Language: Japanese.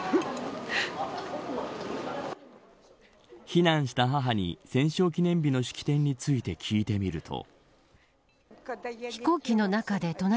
避難した母に戦勝記念日の式典について聞いてみると。